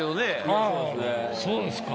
あぁそうですか。